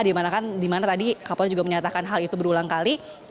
di mana tadi kapolri juga menyatakan hal itu berulang kali